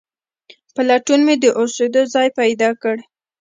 په لټون مې د اوسېدو ځای پیدا کړ.